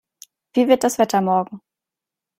Wie wird das Wetter morgen?